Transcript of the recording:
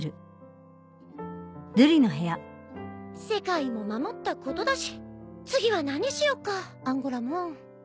世界も守ったことだし次は何しよっかアンゴラモン。